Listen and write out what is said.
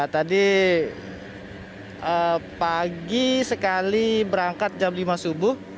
tadi pagi sekali berangkat jam lima subuh